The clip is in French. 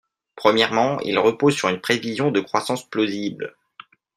Premièrement, il repose sur une prévision de croissance plausible.